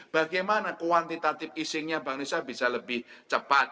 bagaimana kuantitatif easingnya bang nisa bisa lebih cepat